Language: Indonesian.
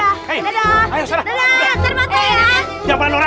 kita mau mulai syutingnya